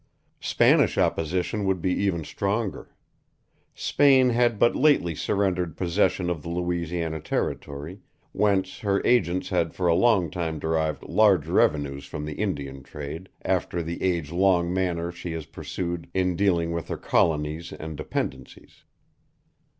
Spanish opposition would be even stronger. Spain had but lately surrendered possession of the Louisiana Territory, whence her agents had for a long time derived large revenues from the Indian trade, after the age long manner she has pursued in dealing with her colonies and dependencies.